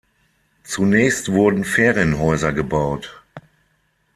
Zunächst wurden Ferienhäuser gebaut.